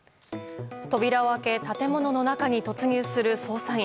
扉を開け建物の中に突入する捜査員。